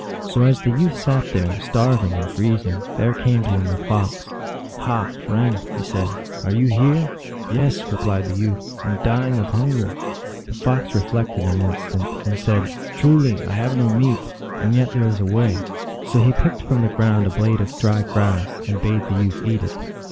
So as the youth sat there, starving and freezing, there came to him a Fox. " Ha, friend," he said, " are you here ?"" Yes," replied the youth, " and dying of hunger." The Fox reflected an instant, and said, " Truly I have no meat ; and yet there is a way." So he picked from the ground a blade of dry grass, and bade the youth eat it.